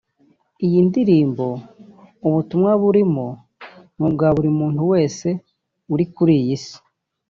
Iyi ndirimbo ubutumwa burimo ni ubwa buri muntu wese uri kuri iyi isi